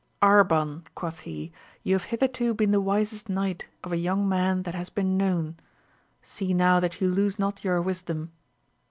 Arban, quoth he, you ha^ hitherto been the wisest knight of a young man th« has been known : see now that you lose not yo« wisdom.